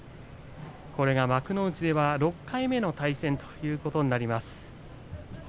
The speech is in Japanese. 幕内では６回目の対戦ということになります。